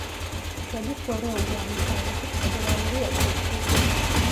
შედის შორეული აღმოსავლეთის ფედერალური ოკრუგში.